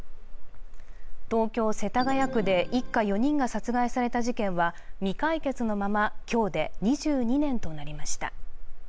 東京・世田谷区で一家４人が殺害された事件は未解決のまま今日で２２年となりました。